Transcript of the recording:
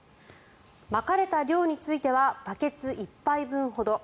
まかれた量についてはバケツ１杯分ほど。